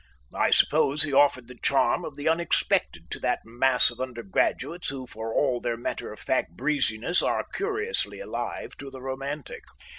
I suppose he offered the charm of the unexpected to that mass of undergraduates who, for all their matter of fact breeziness, are curiously alive to the romantic.